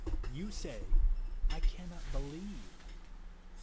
You say, I cannot believe.